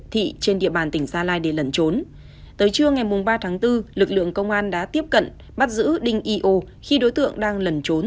thị trên địa bàn tỉnh gia lai để lẩn trốn tới trưa ngày ba tháng bốn lực lượng công an đã tiếp cận bắt giữ đinh i ô khi đối tượng đang lẩn trốn